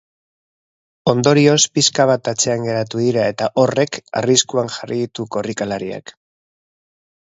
Ondorioz, pixka bat atzean geratu dira eta horrek arriskuan jarri ditu korrikalariak.